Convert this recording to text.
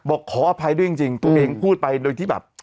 ขออภัยด้วยจริงตัวเองพูดไปโดยที่แบบ